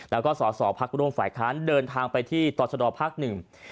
และก็สอดพักร่วมฝ่ายค้านเดินทางไปที่ตรศดอพักหนึ่ง